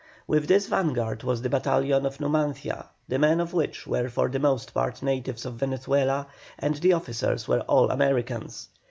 With this vanguard was the battalion of Numancia, the men of which were for the most part natives of Venezuela, and the officers were all Americans.